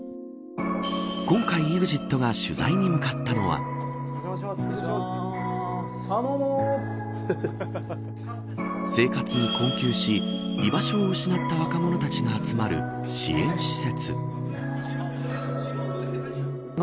今回ＥＸＩＴが生活に困窮し居場所を失った若者たちが集まる支援施設。